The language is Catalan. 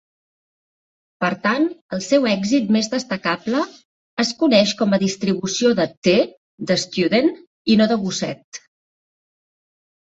Per tant, el seu èxit més destacable es coneix com a distribució de t de Student, i no de Gosset.